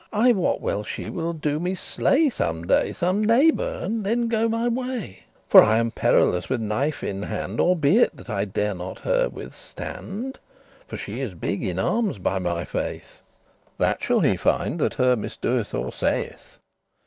I wot well she will do* me slay some day *make Some neighebour and thenne *go my way;* *take to flight* For I am perilous with knife in hand, Albeit that I dare not her withstand; For she is big in armes, by my faith! That shall he find, that her misdoth or saith.